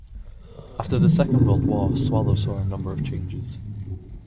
After the Second World War, Swallow saw a number of changes.